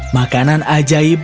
makanan ajaibnya juga tidak ada